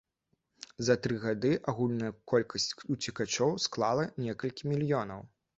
За тры гады агульная колькасць уцекачоў склала некалькі мільёнаў!